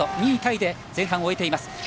２位タイで前半を終えています。